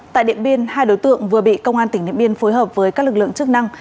tại điện biên hai đối tượng vừa bị công an tỉnh điện biên phối hợp với các lực lượng chức năng